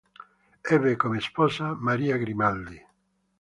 Ebbe come sposa Maria Grimaldi.